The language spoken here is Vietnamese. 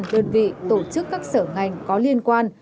bộ công an sẽ đề nghị các cơ quan đơn vị tổ chức các sở ngành có liên quan